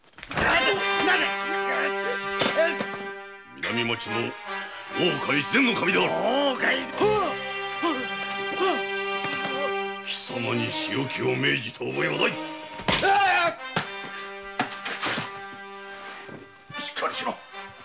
南町の大岡越前守である貴様に仕置きを命じた覚えはないしっかりしろ。